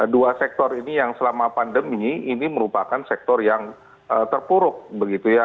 dua sektor ini yang selama pandemi ini merupakan sektor yang terpuruk begitu ya